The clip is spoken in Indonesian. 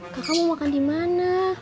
kakak mau makan dimana